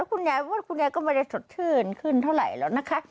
พี่ยายว่าก็ไม่ได้สดขึ้นเท่าไหร่แล้วนะคะ